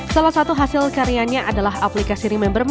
salah satu hasil karyanya adalah aplikasi remember me